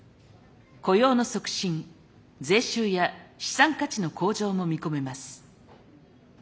雇用の促進税収や資産価値の向上も見込めます。